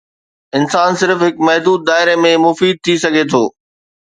انسان صرف هڪ محدود دائري ۾ مفيد ٿي سگهي ٿو.